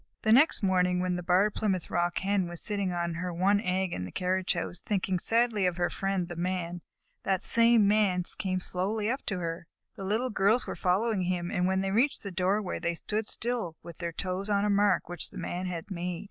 The next morning, when the Barred Plymouth Rock Hen was sitting on her one egg in the carriage house, thinking sadly of her friend, the Man, that same Man came slowly up to her. The Little Girls were following him, and when they reached the doorway they stood still with their toes on a mark which the Man had made.